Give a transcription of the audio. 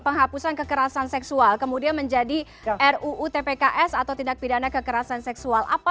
penghapusan kekerasan seksual kemudian menjadi ruu tpks atau tindak pidana kekerasan seksual